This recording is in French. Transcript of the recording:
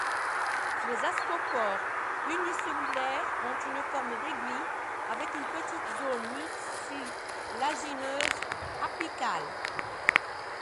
Les ascospores, unicellulaires ont une forme d'aiguille, avec une petite zone mucilagineuse apicale.